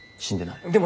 死んでない。